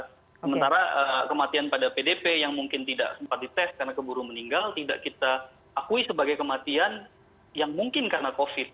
sementara kematian pada pdp yang mungkin tidak sempat dites karena keburu meninggal tidak kita akui sebagai kematian yang mungkin karena covid